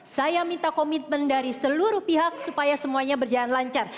saya minta komitmen dari seluruh pihak supaya semuanya berjalan lancar